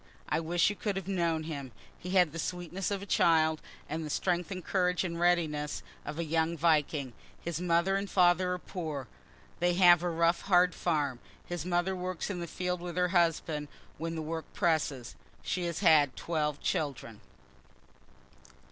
I wish you could have known him. He had the sweetness of a child, and the strength and courage and readiness of a young Viking. His mother and father are poor; they have a rough, hard farm. His mother works in the field with her husband when the work presses. She has had twelve children.